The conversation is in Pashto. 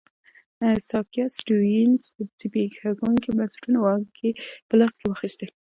سیاکا سټیونز د زبېښونکو بنسټونو واګې په لاس کې واخیستې.